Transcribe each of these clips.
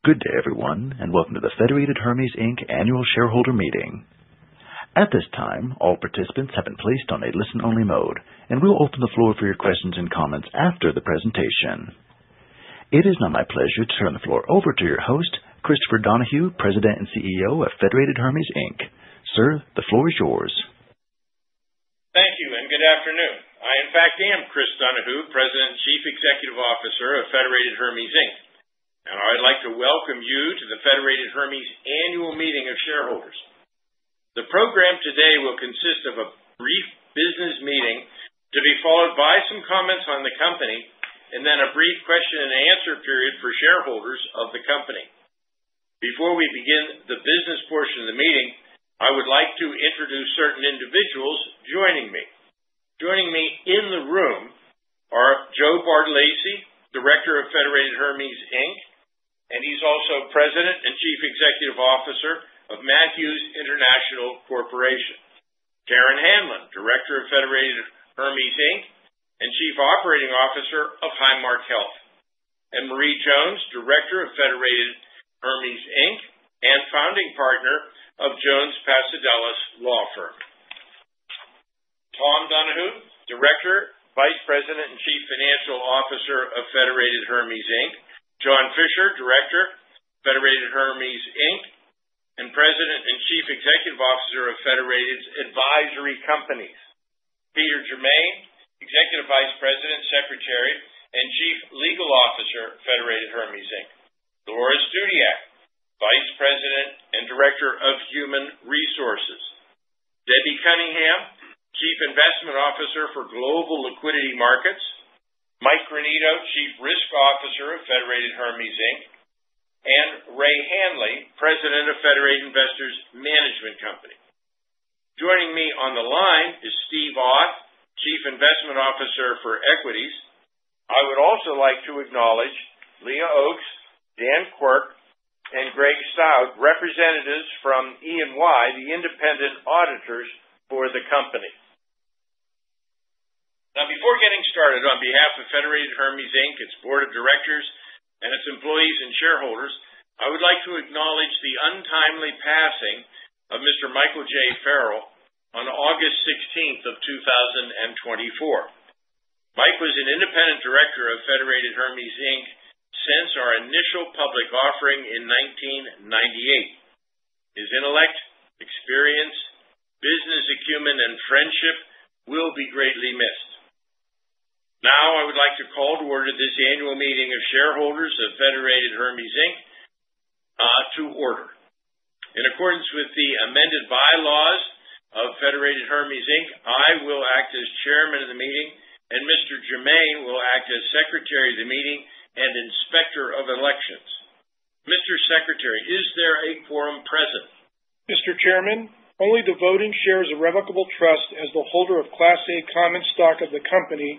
Good day, everyone, and welcome to the Federated Hermes, Inc Annual Shareholder Meeting. At this time, all participants have been placed on a listen-only mode, and we'll open the floor for your questions and comments after the presentation. It is now my pleasure to turn the floor over to your host, Christopher Donahue, President and CEO of Federated Hermes, Inc Sir, the floor is yours. Thank you, and good afternoon. I, in fact, am Chris Donahue, President and Chief Executive Officer of Federated Hermes, Inc, and I'd like to welcome you to the Federated Hermes annual meeting of shareholders. The program today will consist of a brief business meeting to be followed by some comments on the company, and then a brief question-and-answer period for shareholders of the company. Before we begin the business portion of the meeting, I would like to introduce certain individuals joining me. Joining me in the room are Joe Bartolacci, Director of Federated Hermes, Inc, and he's also President and Chief Executive Officer of Matthews International Corporation, Karen Hanlon, Director of Federated Hermes, Inc and Chief Operating Officer of Highmark Health, and Marie Milie Jones, Director of Federated Hermes, Inc. and founding partner of Jones Passodelis PLLC; Tom Donahue, Director, Vice President and Chief Financial Officer of Federated Hermes, Inc; John B. Fisher, Director, Federated Hermes, Inc, and President and Chief Executive Officer of Federated's advisory companies; Peter Germain, Executive Vice President, Secretary, and Chief Legal Officer, Federated Hermes, Inc; Dolores D. Dudiak, Vice President and Director of Human Resources; Debbie Cunningham, Chief Investment Officer for Global Liquidity Markets; Mike Granito, Chief Risk Officer of Federated Hermes, Inc; and Ray Hanley, President of Federated Investors Management Company. Joining me on the line is Steve Auth, Chief Investment Officer for Equities. I would also like to acknowledge Leah Oakes, Dan Quirk, and Greg Stott, representatives from EY, the independent auditors for the company. Now, before getting started, on behalf of Federated Hermes, Inc, its board of directors, and its employees and shareholders, I would like to acknowledge the untimely passing of Mr. Michael J. Farrell on August 16th of 2024. Mike was an independent director of Federated Hermes, Inc since our initial public offering in 1998. His intellect, experience, business acumen, and friendship will be greatly missed. Now, I would like to call to order this annual meeting of shareholders of Federated Hermes, Inc In accordance with the amended bylaws of Federated Hermes, Inc, I will act as Chairman of the meeting, and Mr. Germain will act as Secretary of the meeting and Inspector of Elections. Mr. Secretary, is there a quorum present? Mr. Chairman, only the Voting Shares Irrevocable Trust, as the holder of Class A common stock of the company,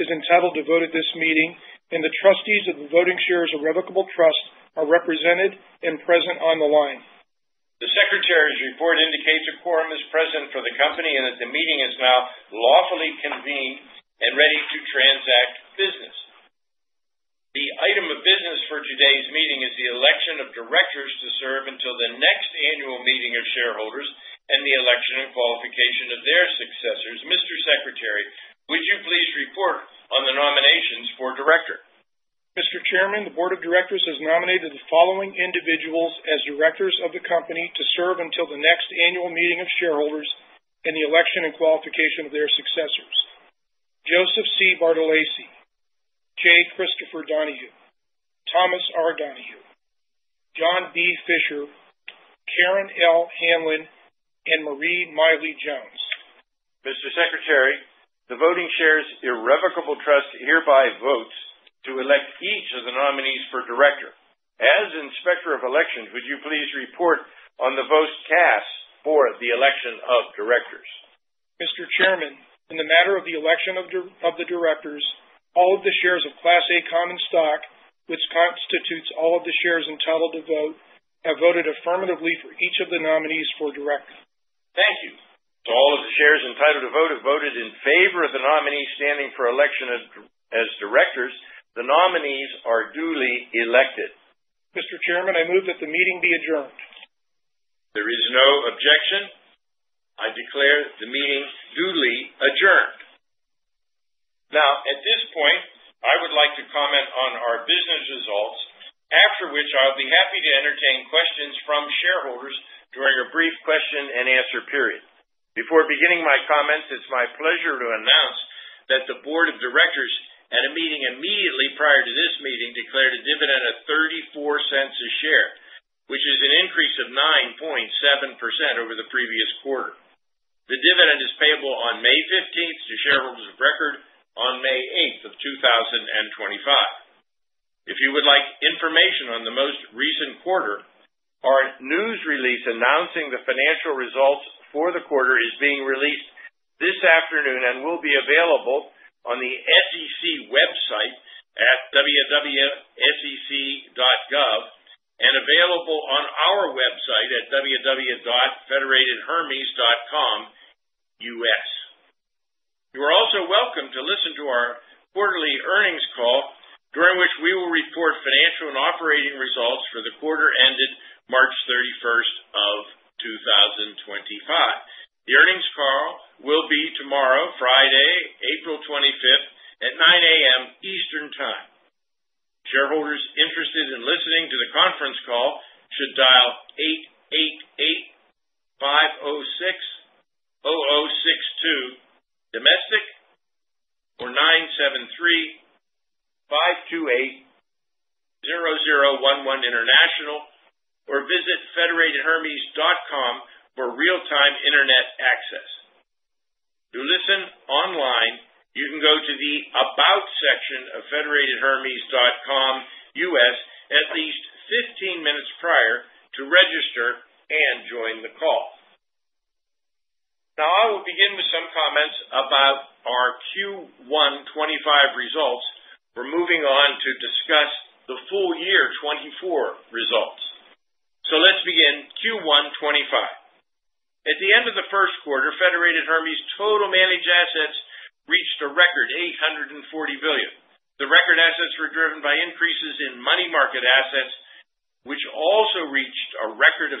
is entitled to vote at this meeting, and the trustees of the Voting Shares Irrevocable Trust are represented and present on the line. The Secretary's report indicates a quorum is present for the company and that the meeting is now lawfully convened and ready to transact business. The item of business for today's meeting is the election of directors to serve until the next annual meeting of shareholders and the election and qualification of their successors. Mr. Secretary, would you please report on the nominations for director? Mr. Chairman, the board of directors has nominated the following individuals as directors of the company to serve until the next annual meeting of shareholders and the election and qualification of their successors: Joseph C. Bartolacci, J. Christopher Donahue, Thomas R. Donahue, John B. Fisher, Karen L. Hanlon, and Marie Milie Jones. Mr. Secretary, the Voting Shares Irrevocable Trust hereby votes to elect each of the nominees for director. As Inspector of Elections, would you please report on the vote cast for the election of directors? Mr. Chairman, in the matter of the election of the directors, all of the shares of Class A Common Stock, which constitutes all of the shares entitled to vote, have voted affirmatively for each of the nominees for director. Thank you. So all of the shares entitled to vote have voted in favor of the nominees standing for election as directors. The nominees are duly elected. Mr. Chairman, I move that the meeting be adjourned. There is no objection. I declare the meeting duly adjourned. Now, at this point, I would like to comment on our business results, after which I'll be happy to entertain questions from shareholders during a brief question-and-answer period. Before beginning my comments, it's my pleasure to announce that the board of directors at a meeting immediately prior to this meeting declared a dividend of $0.34 a share, which is an increase of 9.7% over the previous quarter. The dividend is payable on May 15th to shareholders of record on May 8th of 2025. If you would like information on the most recent quarter, our news release announcing the financial results for the quarter is being released this afternoon and will be available on the SEC website at www.sec.gov and available on our website at www.federatedhermes.com. You are also welcome to listen to our quarterly earnings call, during which we will report financial and operating results for the quarter ended March 31st of 2025. The earnings call will be tomorrow, Friday, April 25th at 9:00 A.M. Eastern Time. Shareholders interested in listening to the conference call should dial 888-506-0062 domestic or 973-528-0011 international, or visit federatedhermes.com for real-time internet access. To listen online, you can go to the About section of federatedhermes.com/us at least 15 minutes prior to register and join the call. Now, I will begin with some comments about our Q1 2025 results. We're moving on to discuss the full-year 2024 results. So let's begin Q1 2025. At the end of the first quarter, Federated Hermes' total managed assets reached a record $840 billion. The record assets were driven by increases in money market assets, which also reached a record of $637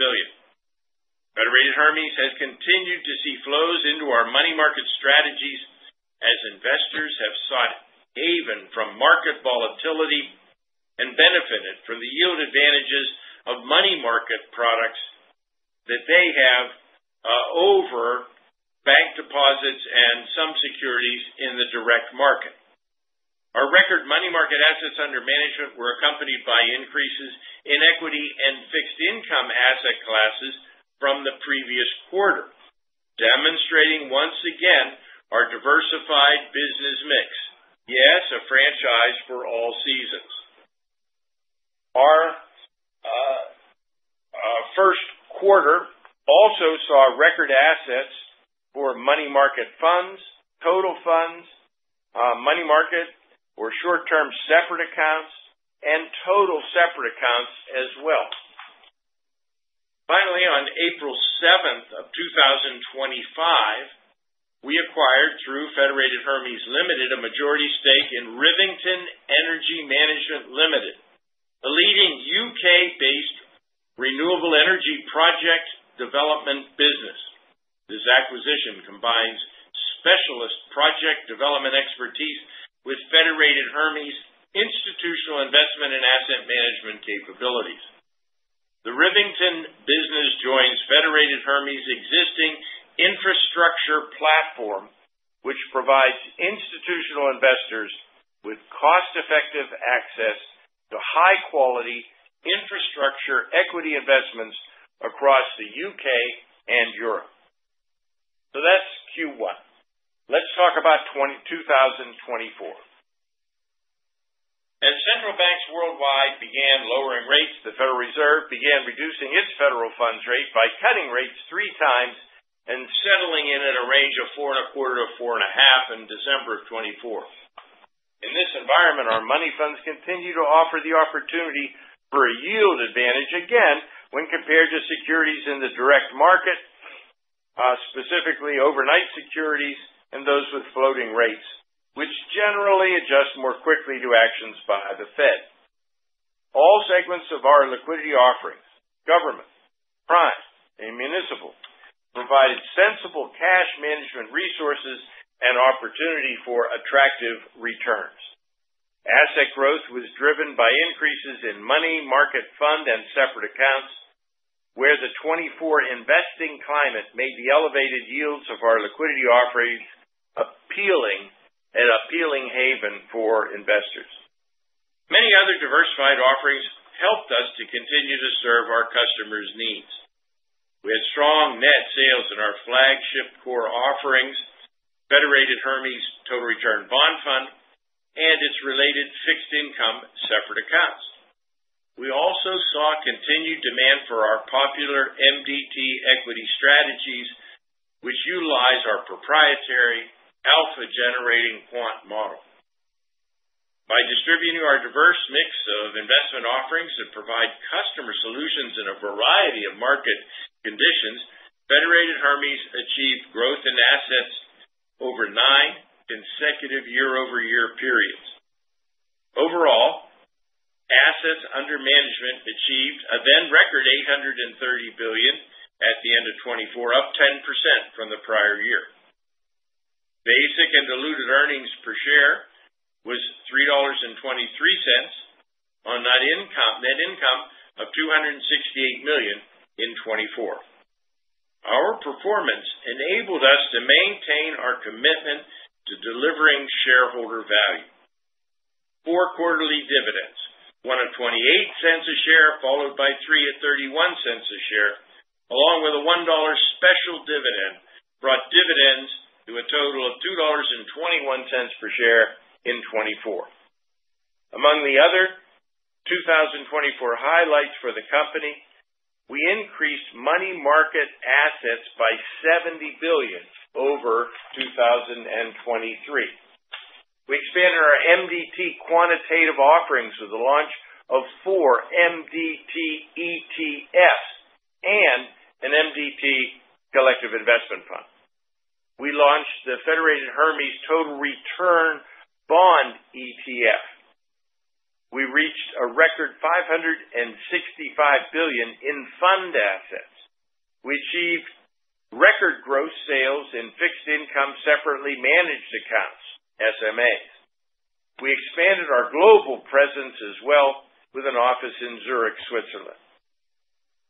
billion. Federated Hermes has continued to see flows into our money market strategies as investors have sought haven from market volatility and benefited from the yield advantages of money market products that they have over bank deposits and some securities in the direct market. Our record money market assets under management were accompanied by increases in equity and fixed income asset classes from the previous quarter, demonstrating once again our diversified business mix. Yes, a franchise for all seasons. Our first quarter also saw record assets for money market funds, total funds, money market or short-term separate accounts, and total separate accounts as well. Finally, on April 7th of 2025, we acquired through Federated Hermes Limited a majority stake in Rivington Energy Management Limited, a leading U.K.-based renewable energy project development business. This acquisition combines specialist project development expertise with Federated Hermes' institutional investment and asset management capabilities. The Rivington business joins Federated Hermes' existing infrastructure platform, which provides institutional investors with cost-effective access to high-quality infrastructure equity investments across the UK and Europe. So that's Q1. Let's talk about 2024. As central banks worldwide began lowering rates, the Federal Reserve began reducing its federal funds rate by cutting rates three times and settling in at a range of 4.25% to 4.5% in December of 2024. In this environment, our money funds continue to offer the opportunity for a yield advantage again when compared to securities in the direct market, specifically overnight securities and those with floating rates, which generally adjust more quickly to actions by the Fed. All segments of our liquidity offerings, government, prime, and municipal, provided sensible cash management resources and opportunity for attractive returns. Asset growth was driven by increases in money market fund and separate accounts, where the 2024 investing climate made the elevated yields of our liquidity offerings appealing and an appealing haven for investors. Many other diversified offerings helped us to continue to serve our customers' needs. We had strong net sales in our flagship core offerings, Federated Hermes Total Return Bond Fund, and its related fixed income separate accounts. We also saw continued demand for our popular MDT equity strategies, which utilize our proprietary alpha-generating quant model. By distributing our diverse mix of investment offerings that provide customer solutions in a variety of market conditions, Federated Hermes achieved growth in assets over nine consecutive year-over-year periods. Overall, assets under management achieved a then record $830 billion at the end of 2024, up 10% from the prior year. Basic and diluted earnings per share was $3.23 on net income of $268 million in 2024. Our performance enabled us to maintain our commitment to delivering shareholder value. Four quarterly dividends, one of $0.28 a share followed by three at $0.31 a share, along with a $1 special dividend, brought dividends to a total of $2.21 per share in 2024. Among the other 2024 highlights for the company, we increased money market assets by $70 billion over 2023. We expanded our MDT quantitative offerings with the launch of four MDT ETFs and an MDT collective investment fund. We launched the Federated Hermes Total Return Bond ETF. We reached a record $565 billion in fund assets. We achieved record growth sales in fixed income separately managed accounts, SMAs. We expanded our global presence as well with an office in Zurich, Switzerland.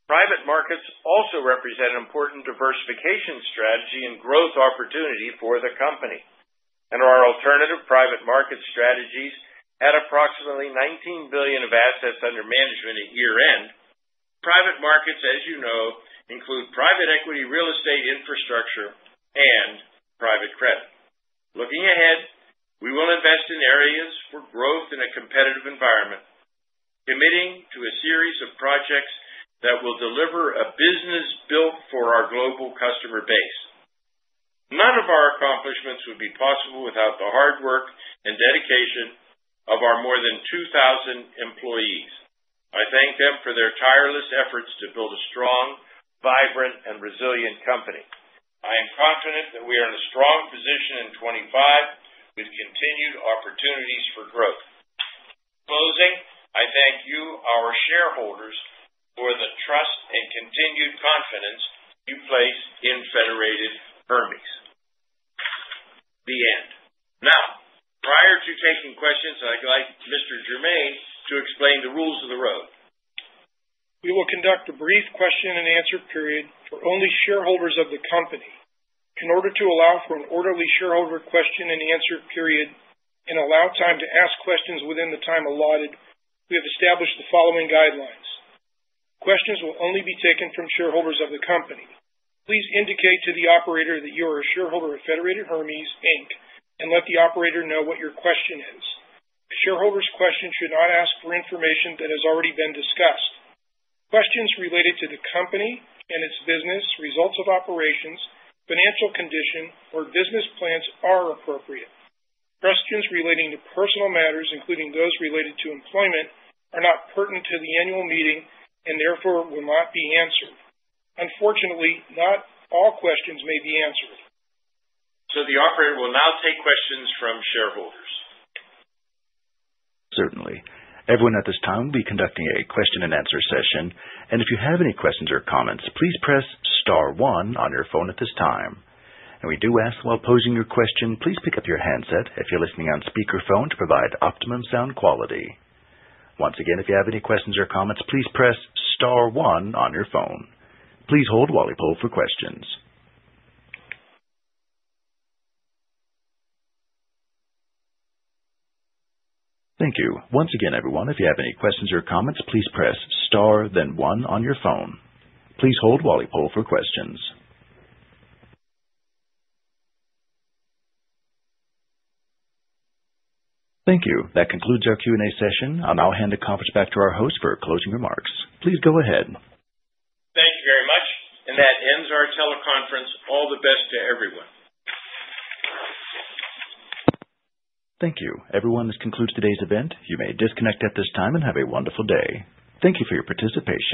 Private markets also represent an important diversification strategy and growth opportunity for the company and are our alternative private market strategies at approximately $19 billion of assets under management at year-end. Private markets, as you know, include private equity, real estate infrastructure, and private credit. Looking ahead, we will invest in areas for growth in a competitive environment, committing to a series of projects that will deliver a business built for our global customer base. None of our accomplishments would be possible without the hard work and dedication of our more than 2,000 employees. I thank them for their tireless efforts to build a strong, vibrant, and resilient company. I am confident that we are in a strong position in 2025 with continued opportunities for growth. Closing, I thank you, our shareholders, for the trust and continued confidence you place in Federated Hermes. The end. Now, prior to taking questions, I'd like Mr. Germain to explain the rules of the road. We will conduct a brief question-and-answer period for only shareholders of the company. In order to allow for an orderly shareholder question-and-answer period and allow time to ask questions within the time allotted, we have established the following guidelines. Questions will only be taken from shareholders of the company. Please indicate to the operator that you are a shareholder of Federated Hermes, Inc., and let the operator know what your question is. A shareholder's question should not ask for information that has already been discussed. Questions related to the company and its business, results of operations, financial condition, or business plans are appropriate. Questions relating to personal matters, including those related to employment, are not pertinent to the annual meeting and therefore will not be answered. Unfortunately, not all questions may be answered. The operator will now take questions from shareholders. Certainly. Everyone at this time, we'll be conducting a question-and-answer session. And if you have any questions or comments, please press star one on your phone at this time. And we do ask while posing your question, please pick up your handset if you're listening on speakerphone to provide optimum sound quality. Once again, if you have any questions or comments, please press star one on your phone. Please hold while we pull for questions. Thank you. Once again, everyone, if you have any questions or comments, please press star, then one on your phone. Please hold while we pull for questions. Thank you. That concludes our Q&A session. I'll now hand the conference back to our host for closing remarks. Please go ahead. Thank you very much. And that ends our teleconference. All the best to everyone. Thank you. Everyone, this concludes today's event. You may disconnect at this time and have a wonderful day. Thank you for your participation.